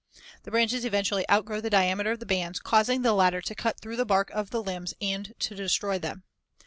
The branches eventually outgrow the diameter of the bands, causing the latter to cut through the bark of the limbs and to destroy them.